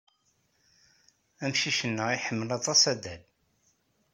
Amcic-nneɣ iḥemmel aṭas adal.